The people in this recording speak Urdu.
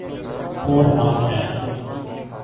اور ہم ہیں۔